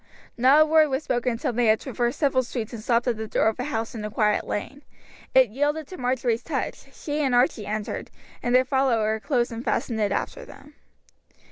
Not a word was spoken until they had traversed several streets and stopped at the door of a house in a quiet lane; it yielded to Marjory's touch, she and Archie entered, and their follower closed and fastened it after them.